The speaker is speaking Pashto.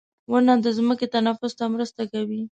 • ونه د ځمکې تنفس ته مرسته کوي.